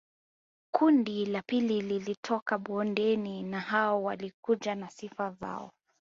Kundi la pili lilitoka bondeni na hawa walikuja na sifa zao